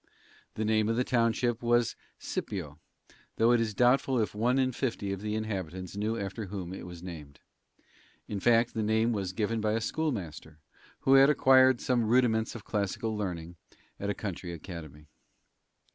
The name of the township was Scipio, though it is doubtful if one in fifty of the inhabitants knew after whom it was named. In fact, the name was given by a schoolmaster, who had acquired some rudiments of classical learning at a country academy.